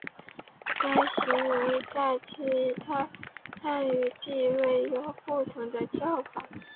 该行为在其他汉语地区有不同的叫法。